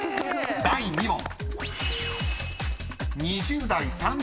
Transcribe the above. ［第２問］